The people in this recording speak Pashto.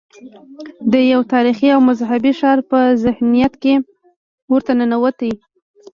د یو تاریخي او مذهبي ښار په ذهنیت کې ورته ننوتي.